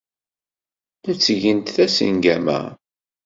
La ttgent tasengama.